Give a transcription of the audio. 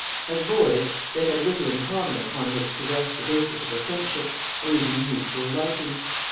As boys, they had little in common upon which to rest the basis of a friendship, or even a mutual liking.